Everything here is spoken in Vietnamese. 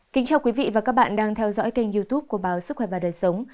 kính chào quý vị và các bạn đang theo dõi kênh youtube của báo sức khỏe và đời sống